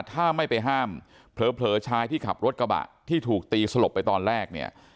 ถ้าไม่ไปห้ามเผลอชายที่ขับรถกระบะที่ถูกตีสลบไปตอนแรกเนี่ย